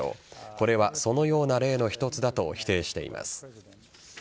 これは、そのような例の一つだと否定しています。